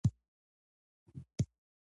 له بې ځایه پیسو مصرف څخه ځان وژغورئ.